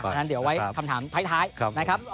เพราะฉะนั้นเดี๋ยวไว้คำถามท้ายนะครับ